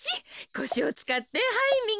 こしをつかってはいみぎに。